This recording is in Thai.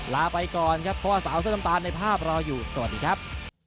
ลาไปก่อนครับเพราะว่าสาวเสื้อน้ำตาลในภาพรออยู่สวัสดีครับ